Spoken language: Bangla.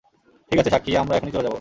ঠিক আছে, সাক্ষী, আমরা এখনই চলে যাব।